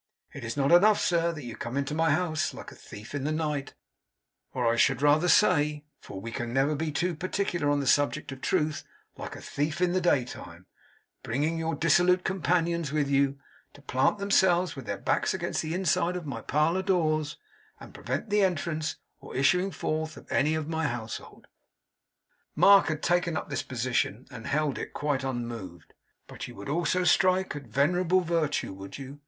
'Is it not enough, sir, that you come into my house like a thief in the night, or I should rather say, for we can never be too particular on the subject of Truth, like a thief in the day time; bringing your dissolute companions with you, to plant themselves with their backs against the insides of parlour doors, and prevent the entrance or issuing forth of any of my household' Mark had taken up this position, and held it quite unmoved 'but would you also strike at venerable Virtue? Would you?